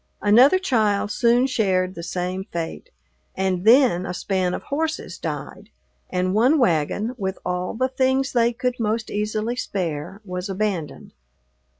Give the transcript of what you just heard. Another child soon shared the same fate, and then a span of horses died, and one wagon, with all the things they could most easily spare, was abandoned.